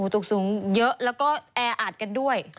ตกสูงเยอะแล้วก็แออัดกันด้วย